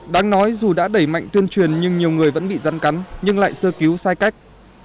đáng nói dù đã đẩy mạnh tuyên truyền nhưng nhiều người vẫn bị rắn cắn nhưng lại sơ cứu sai cách